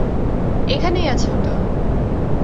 এইখানেই আছে ওটা!